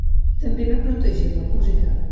També va protegir la música.